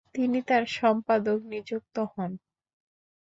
তিনি তার সম্পাদক নিযুক্ত হন।